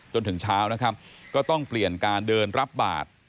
จนถึงเช้านะครับก็ต้องเปลี่ยนการเดินรับบาท